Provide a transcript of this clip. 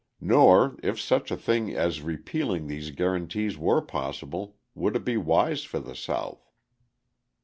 Nor, if such a thing as repealing these guarantees were possible, would it be wise for the South.